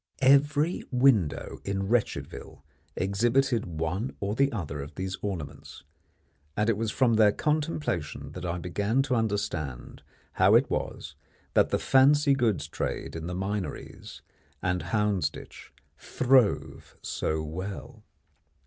Every window in Wretchedville exhibited one or other of these ornaments, and it was from their contemplation that I began to understand how it was that the "fancy goods" trade in the Minories and Houndsditch throve so well.